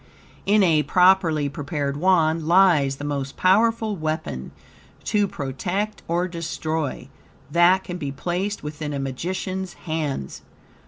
In a properly prepared Wand lies the most powerful weapon, to protect or destroy, that can be placed within a magician's hands.